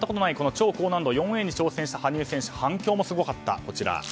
超高難度４Ａに挑戦した羽生選手反響もすごかった。